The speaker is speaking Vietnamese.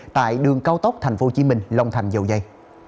tại đường cao tốc thành phố hồ chí minh long thành dầu dây